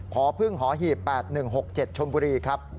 พอพรุ่งหอหีบ๘๑๖๗ชมครับ